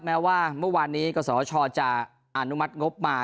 แม้ว่าเมื่อวานนี้กศชจะอนุมัติงบมา